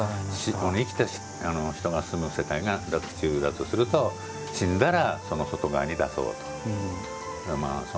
生きた人が住む世界が洛中だとすると死んだらその外側に出そうと。